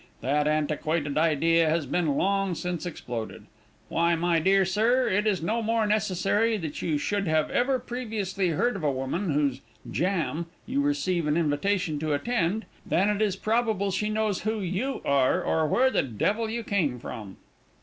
That antiquated idea has been long since exploded. Why, my dear sir, it is no more necessary that you should have ever previously heard of a woman whose 'jam' you receive an invitation to attend, than it is probable she knows who you are, or where the devil you come from."